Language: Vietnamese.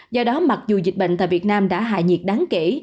do đó mặc dù dịch bệnh tại việt nam đã hạ nhiệt đáng kể